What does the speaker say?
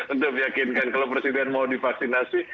untuk meyakinkan kalau presiden mau divaksinasi